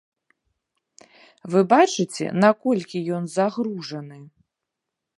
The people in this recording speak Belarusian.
Вы бачыце, наколькі ён загружаны.